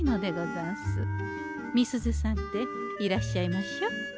美鈴さんっていらっしゃいましょ？